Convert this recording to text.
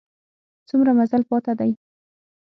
څومره مزل پاته دی؟